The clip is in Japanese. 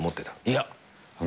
いや。